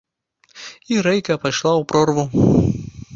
І рэйка пайшла ў прорву.